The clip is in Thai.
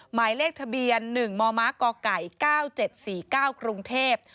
หมายเลขทะเบียน๑มมกไก่๙๗๔๙กรุงเทพ